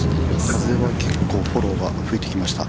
◆風は、結構、フォローが吹いてきました。